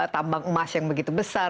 tambang emas yang begitu besar